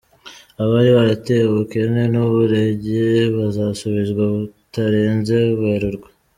Abari baratewe ubukene n’uburenge bazasubizwa bitarenze Werurwe